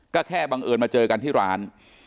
ก็แค่บังเอิญมาเจอกันที่ร้าน